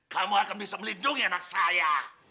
kamu akan bisa melindungi anak saya